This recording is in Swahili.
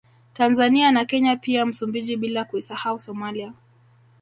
Tanzania na Kenya pia Msumbiji bila kuisahau Somalia